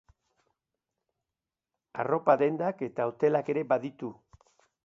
Arropa dendak eta hotelak ere baditu.